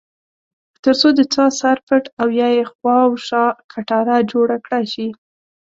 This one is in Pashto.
ترڅو د څاه سر پټ او یا یې خواوشا کټاره جوړه کړای شي.